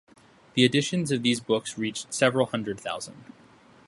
The editions of these books reached several hundred thousand.